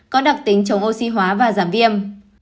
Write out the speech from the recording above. có đặc tính chống oxy hóa và giảm viêm